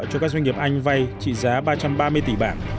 cho các doanh nghiệp anh vay trị giá ba trăm ba mươi tỷ bảng